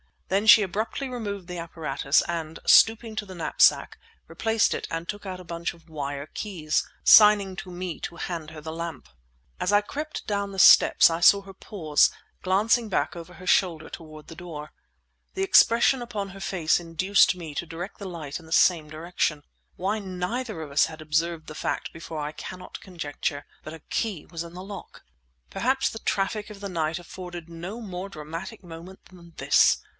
Then she abruptly removed the apparatus, and, stooping to the knapsack, replaced it and took out a bunch of wire keys, signing to me to hand her the lamp. As I crept down the steps I saw her pause, glancing back over her shoulder toward the door. The expression upon her face induced me to direct the light in the same direction. Why neither of us had observed the fact before I cannot conjecture; but a key was in the lock! Perhaps the traffic of the night afforded no more dramatic moment than this.